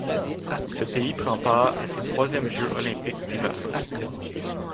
Ce pays prend part à ses troisièmes Jeux olympiques d'hiver.